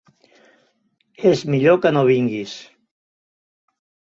És millor que no vinguis.